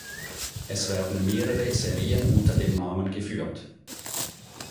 Es werden mehrere Serien unter dem Namen geführt.